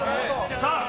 さあ。